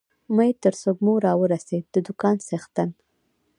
مې تر سږمو را ورسېد، د دوکان څښتن.